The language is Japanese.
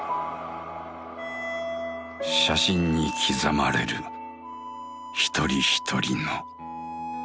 写真に刻まれる一人一人の人生。